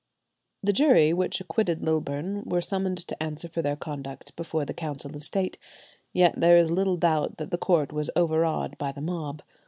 The jury which acquitted Lilburne were summoned to answer for their conduct before the Council of State. Yet there is little doubt that the court was overawed by the mob.